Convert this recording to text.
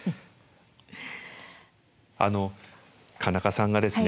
あの川中さんがですね